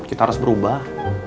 apa ada masalah